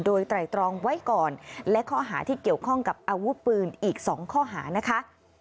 โดยไตรตรองไว้ก่อนและข้อหาที่เกี่ยวข้องกับอาวุธปืนอีก๒ข้อหานะคะ